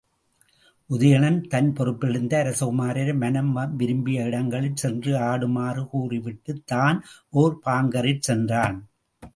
உதயணன் தன் பொறுப்பிலிருந்த அரசகுமரரை மனம் விரும்பிய இடங்களிற் சென்று ஆடுமாறு கூறிவிட்டுத் தான் ஒர் பாங்கரிற் சென்றான்.